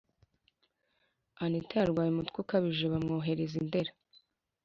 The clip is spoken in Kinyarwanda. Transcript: Anita yarwaye umutwe ukabije bamwohereza indera